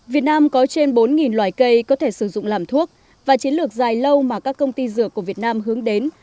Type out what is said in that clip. việt nam có trên bốn loài cây có thể sử dụng làm thuốc và chiến lược dài lâu mà các công ty dược của việt nam hướng đến